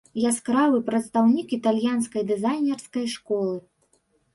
Яскравы прадстаўнік італьянскай дызайнерскай школы.